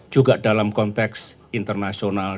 juga dalam konteks internasional